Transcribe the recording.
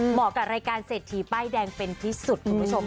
เหมาะกับรายการเศรษฐีป้ายแดงเป็นที่สุดคุณผู้ชม